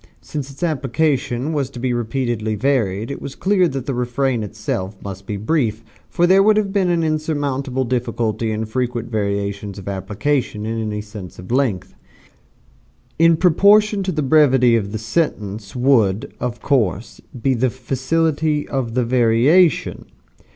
Since its application was to be repeatedly varied it was clear that the refrain itself must be brief, for there would have been an insurmountable difficulty in frequent variations of application in any sentence of length. In proportion to the brevity of the sentence would, of course, be the facility of the variation.